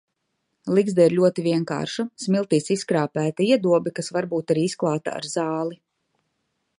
Ligzda ir ļoti vienkārša, smiltīs izskrāpēta iedobe, kas var būt arī izklāta ar zāli.